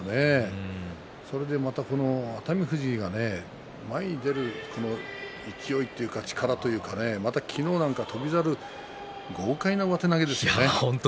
また熱海富士が前に出る勢いというか力というか昨日なんか、翔猿豪快な上手投げですよね。